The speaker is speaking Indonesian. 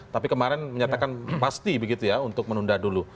tapi kemarin menyatakan pasti begitu ya untuk menunda dulu